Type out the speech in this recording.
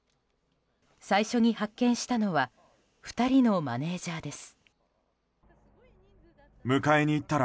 最初に発見したのは２人のマネジャーです。